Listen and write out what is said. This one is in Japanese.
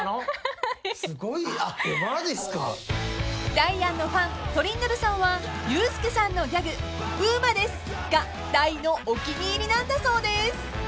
［ダイアンのファントリンドルさんはユースケさんのギャグ「ウーマです」が大のお気に入りなんだそうです］